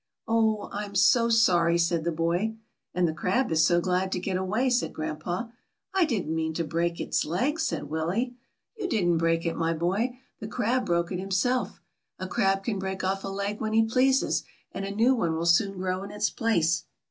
"Oh! I'm so sorry," said the boy. "And the crab is so glad to get away," said grandpa. "I didn't mean to break its leg," said Willie. "You didn't break it, my boy. The crab WILLIE'S VISIT TO THE SEASHORE. 179 broke it himself. A crab can break off a leg when he pleases and a new one will soon grow in its place.